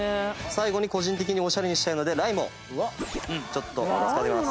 最後に個人的にオシャレにしたいのでライムをちょっと使います。